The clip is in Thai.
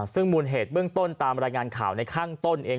ซึ่งมูลเหตุเบื้องต้นตามรายงานข่าวในข้างต้นเอง